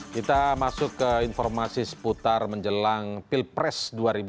kita masuk ke informasi seputar menjelang pilpres dua ribu sembilan belas